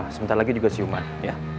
sebentar lagi juga siuman ya